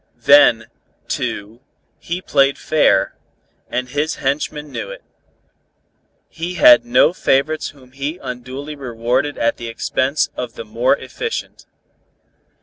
Then, too, he played fair, and his henchmen knew it. He had no favorites whom he unduly rewarded at the expense of the more efficient.